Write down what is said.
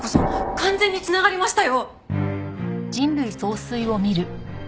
完全に繋がりましたよ！